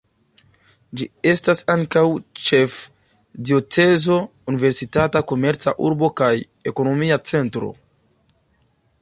Ĝi estas ankaŭ ĉefdiocezo, universitata, komerca urbo kaj ekonomia centro.